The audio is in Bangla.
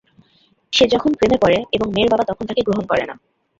সে যখন প্রেমে পড়ে এবং মেয়ের বাবা তখন তাকে গ্রহণ করে না।